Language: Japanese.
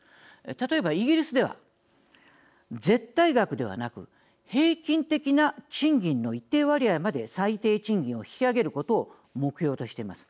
例えばイギリスでは絶対額ではなく平均的な賃金の一定割合まで最低賃金を引き上げることを目標としています。